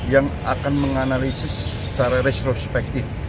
yang akan menganalisis secara retrospektif